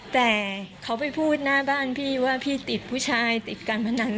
แต่เขาไปพูดหน้าบ้านพี่ว่าพี่ติดผู้ชายติดการพนัน